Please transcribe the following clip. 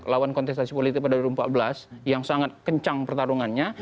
lawan kontestasi politik pada dua ribu empat belas yang sangat kencang pertarungannya